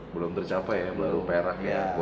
belum tercapai ya belum perah ya